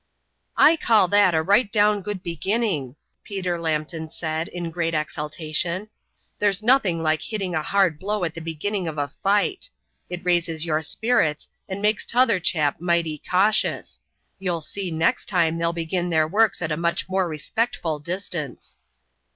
"I call that a right down good beginning," Peter Lambton said, in great exultation. "There's nothing like hitting a hard blow at the beginning of the fight. It raises your spirits and makes t'other chap mighty cautious. You'll see next time they'll begin their works at a much more respectful distance."